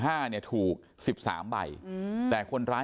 แต่คนร้ายมันออกถึง๑๕ใบเป็นไปร้านชื่ออยู่ที่ไปของคนร้าย